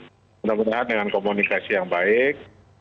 tentang tentang dengan komunikasi yang baik